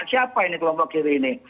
siapa ini kelompok kiri ini